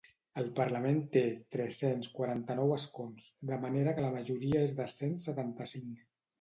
El parlament té tres-cents quaranta-nou escons, de manera que la majoria és el cent setanta-cinc.